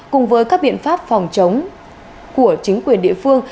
cùng với các biện pháp phòng chống của chính quyền địa phương